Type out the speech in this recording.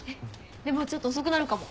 でもちょっと遅くなるかも。